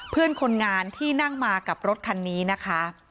เพื่อนคนงานที่นั่งมากับรถคันนี้นะคะ